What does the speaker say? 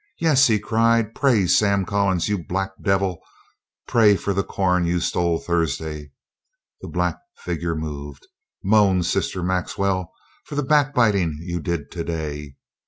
"Yes," he cried, "pray, Sam Collins, you black devil; pray, for the corn you stole Thursday." The black figure moved. "Moan, Sister Maxwell, for the backbiting you did today.